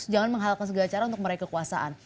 jangan menghalalkan segala cara untuk meraih kekuasaan